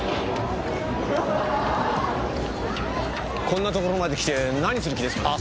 こんなところまで来て何する気ですかね？